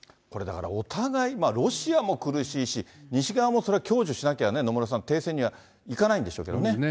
これ、だから、お互い、ロシアも苦しいし、西側もそれ、享受しなきゃ、野村さん、停戦にはいかないんでしょうけどね。